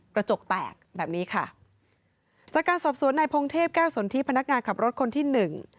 กระจกแตกแบบนี้ค่ะจากการสอบสวนในพงเทพแก้วสนทิพนักงานขับรถคนที่หนึ่ง